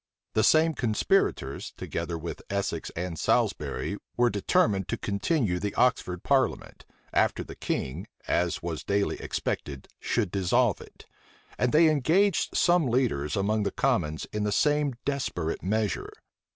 The same conspirators, together with Essex and Salisbury were determined to continue the Oxford parliament, after the king, as was daily expected, should dissolve it; and they engaged some leaders among the commons in the same desperate measure.